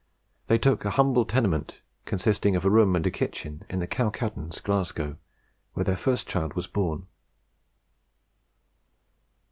They took a humble tenement, consisting of a room and a kitchen, in the Cowcaddens, Glasgow, where their first child was born.